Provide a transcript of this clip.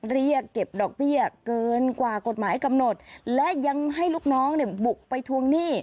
เรียกเก็บดอกเบี้ยเกินกว่ากฎหมายกำหนดและยังให้ลูกน้องเนี่ยบุกไปทวงหนี้